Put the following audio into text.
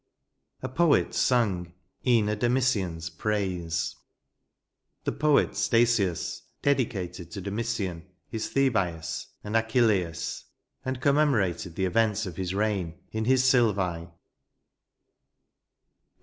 • A poet sung E*en a Domitian*8 praise " The poet Statius dedicated to Domitian his Thebaia and AchilleiSt and commemorated the events of his reign in his SUvte.